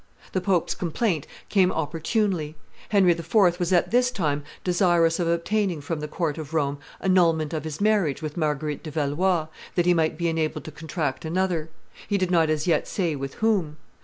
The pope's complaint came opportunely. Henry IV. was at this time desirous of obtaining from the court of Rome annulment of his marriage with Marguerite de Valois, that he might be enabled to contract another; he did not as yet say with whom.